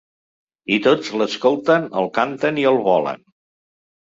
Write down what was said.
I tots l’escolten, el canten i el volen!